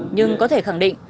nhưng có thể khẳng định